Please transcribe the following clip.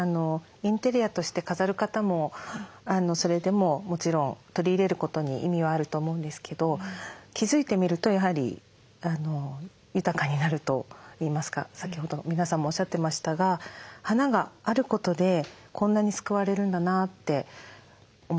インテリアとして飾る方もそれでももちろん取り入れることに意味はあると思うんですけど気付いてみるとやはり豊かになるといいますか先ほど皆さんもおっしゃってましたが花があることでこんなに救われるんだなって思ったりしています。